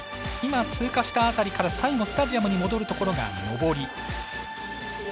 通過した辺りから最後、スタジアムに戻るところが上り。